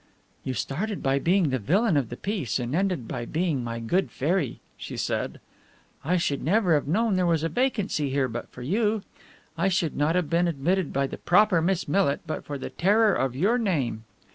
"You started by being the villain of the piece and ended by being my good fairy," she said. "I should never have known there was a vacancy here but for you. I should not have been admitted by the proper Miss Millit but for the terror of your name."